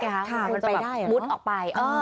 มันจะมุดออกไป